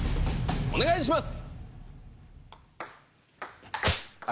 お願いします！